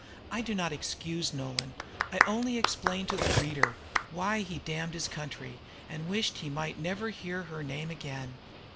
I do not excuse Nolan; I only explain to the reader why he damned his country, and wished he might never hear her name again.